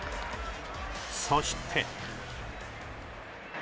そして。